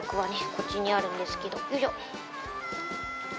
こっちにあるんですけどよいしょ。